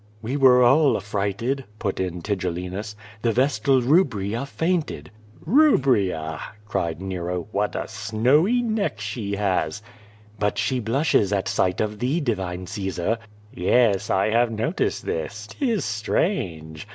"We were all affrighted," put in Tigellinus. "The vestal Bubria fainted." "l^ubria," cried Nero, "M'hat a snowy neck she has!" "But she blushes at sight of thee, divine Caesar." "Yes, I have noticed this. 'Tis strange.